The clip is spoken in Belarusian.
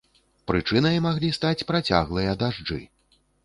Прычынай маглі стаць працяглыя дажджы.